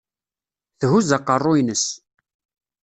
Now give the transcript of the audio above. Thuzz aqerru-ines.